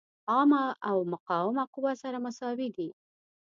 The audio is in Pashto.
عامله او مقاومه قوه سره مساوي دي.